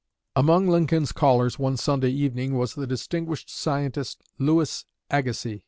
'" Among Lincoln's callers one Sunday evening, was the distinguished scientist Louis Agassiz.